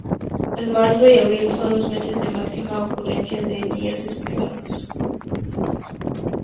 En marzo y abril son los meses de máxima ocurrencia de días despejados.